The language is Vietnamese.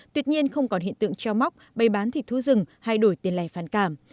tuy nhiên không còn hiện tượng treo móc bày bán thịt thú rừng hay đổi tiền lẻ phản cảm